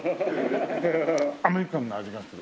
アメリカンな味がする。